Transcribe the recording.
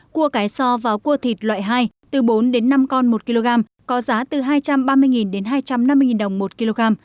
cua cái so vào cua thịt loại hai từ bốn đến năm con một kg có giá từ hai trăm ba mươi đến hai trăm năm mươi đồng một kg